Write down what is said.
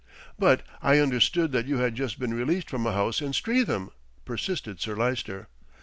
"But I understood that you had just been released from a house in Streatham," persisted Sir Lyster.